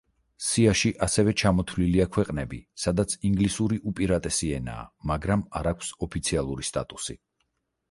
სიაში ასევე ჩამოთვლილია ქვეყნები, სადაც ინგლისური უპირატესი ენაა, მაგრამ არ აქვს ოფიციალური სტატუსი.